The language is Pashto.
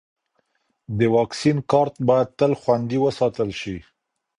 د واکسین کارت باید تل خوندي وساتل شي.